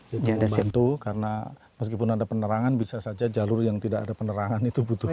itu membantu karena meskipun ada penerangan bisa saja jalur yang tidak ada penerangan itu butuh